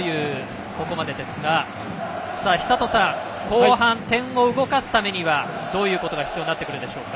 ここまでですが寿人さん、後半点を動かすためにはどういうことが必要になってくるでしょうか。